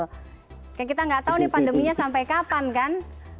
kayak kita nggak tahu nih pandeminya sampai kapan kan